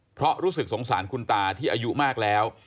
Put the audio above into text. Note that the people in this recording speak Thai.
เพราะรู้สึกสงสารคุณตาที่อายุมากแล้ว